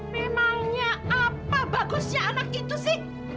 memangnya apa bagusnya anak itu sih